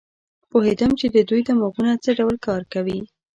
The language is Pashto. پوهېدم چې د دوی دماغونه څه ډول کار کوي.